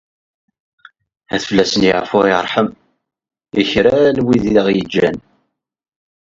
Ad fell-asen yeɛfu yerḥem i kra n wid i aɣ-yeǧǧan.